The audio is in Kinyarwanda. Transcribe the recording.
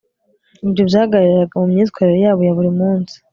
ibyo byagaragariraga mu myitwarire yabo ya buri munsi